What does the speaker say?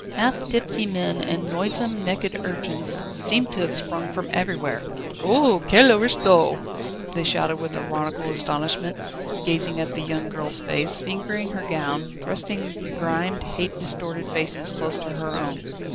Half tipsy men and noisome, naked urchins seemed to have sprung from everywhere. "Oho, quelle aristo!" they shouted with ironical astonishment, gazing at the young girl's face, fingering her gown, thrusting begrimed, hate distorted faces close to her own.